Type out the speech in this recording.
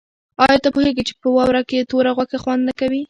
آیا ته پوهېږې چې په واوره کې توره غوښه خوند نه کوي؟